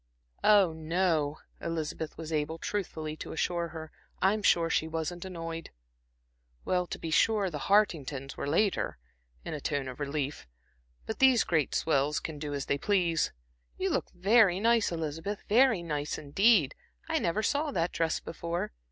"Oh, no," Elizabeth was able truthfully to assure her. "I'm sure she wasn't annoyed." "Well, to be sure, the Hartingtons were later" in a tone of relief "but these great swells can do as they please. You look very nice, Elizabeth, very nice indeed. I never saw that dress before.